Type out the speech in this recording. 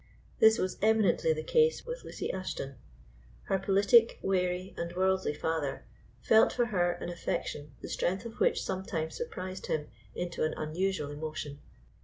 This was eminently the case with Lucy Ashton. Her politic, wary, and worldly father felt for her an affection the strength of which sometimes surprised him into an unusual emotion.